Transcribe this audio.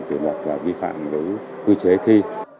kiểm luật vi phạm với quy chế thi